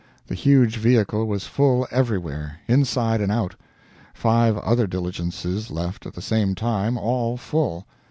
The huge vehicle was full everywhere, inside and out. Five other diligences left at the same time, all full.